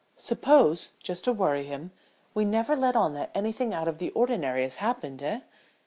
Suppose, just to worry him, we never let on that anything out of the ordinary has happened, eh?"